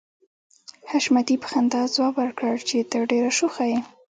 حشمتي په خندا ځواب ورکړ چې ته ډېره شوخه يې